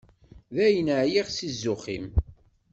Dayen, εyiɣ si zzux-im.